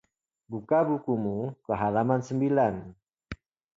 Buka bukumu ke halaman sembilan.